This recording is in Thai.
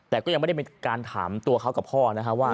แต่ก็ยังไม่ได้มีการถามตัวเขากับพ่อนะครับว่า